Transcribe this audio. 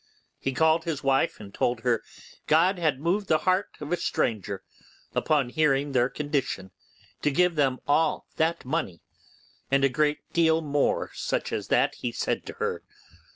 He called his wife, and told her God had moved the heart of a stranger, upon hearing their condition, to give them all that money, and a great deal more such as that he said to her.